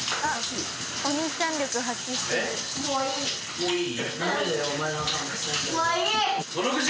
もういい！